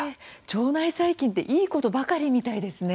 腸内細菌っていいことばかりみたいですね。